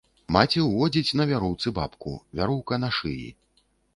Маці ўводзіць на вяроўцы бабку, вяроўка на шыі.